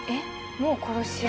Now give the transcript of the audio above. もう殺し屋？